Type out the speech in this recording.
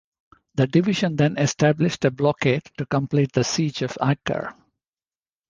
The division then established a blockade to complete the Siege of Acre.